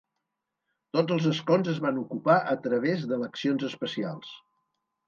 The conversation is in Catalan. Tots els escons es van ocupar a través d'eleccions especials.